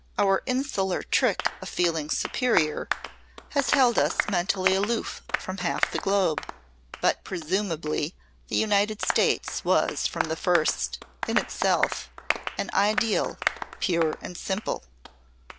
Our insular trick of feeling superior has held us mentally aloof from half the globe. But presumably the United States was from the first, in itself, an ideal, pure and simple.